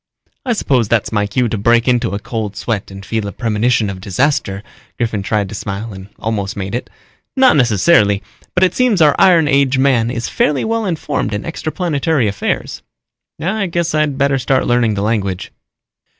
"I suppose that's my cue to break into a cold sweat and feel a premonition of disaster." Griffin tried to smile and almost made it. "Not necessarily, but it seems our iron age man is fairly well informed in extraplanetary affairs." "I guess I'd better start learning the language."